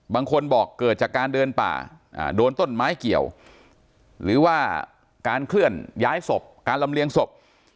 บางคนบอกเกิดจากการเดินป่าโดนต้นไม้เกี่ยวหรือว่าการเคลื่อนย้ายศพการลำเลียงศพ